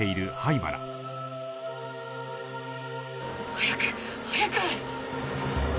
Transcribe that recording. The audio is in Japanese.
早く！早く！